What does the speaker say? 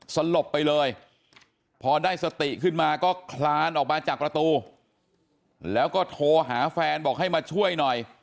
สลบไปเลยพอได้สติขึ้นมาก็คลานออกมาจากประตูแล้วก็โทรหาแฟนบอกให้มาช่วยหน่อย